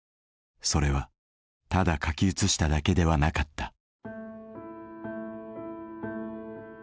それはただ書き写しただけではなかった。